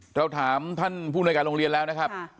เราถามท่านผู้มนวยการโรงเรียนแล้วนะครับ